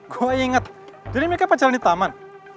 gue inget jadi mereka pacaran di taman